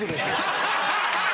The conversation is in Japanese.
ハッハハハ！